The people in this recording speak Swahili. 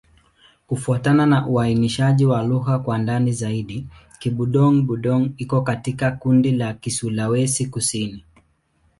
Kufuatana na uainishaji wa lugha kwa ndani zaidi, Kibudong-Budong iko katika kundi la Kisulawesi-Kusini.